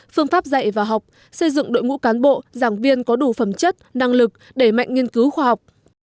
phương pháp dạy và học xây dựng đội ngũ cán bộ giảng viên có đủ phẩm chất năng lực để mạnh nghiên cứu khoa học